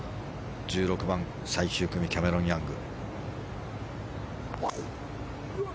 １６番、最終組のキャメロン・ヤング。